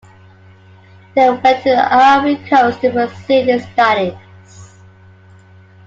He then went to the Ivory Coast to pursue his studies.